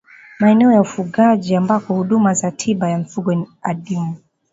maeneo ya ufugaji ambako huduma za tiba ya mifugo ni adimu